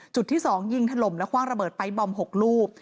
จุดที่๒ยิงถล่มและคว่างระเบิดไป๊บอม๖ลูก